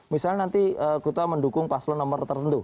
misalnya nanti kutuwa mendukung paslo nomor tertentu